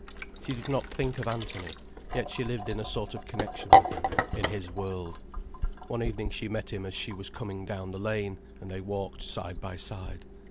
She did not think of Anthony, yet she lived in a sort of connection with him, in his world. One evening she met him as she was coming down the lane, and they walked side by side.